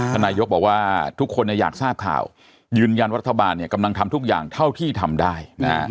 นายกบอกว่าทุกคนอยากทราบข่าวยืนยันว่ารัฐบาลกำลังทำทุกอย่างเท่าที่ทำได้